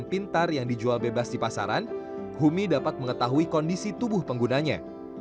dan pintar yang dijual bebas di pasaran homi dapat mengetahui kondisi tubuh penggunanya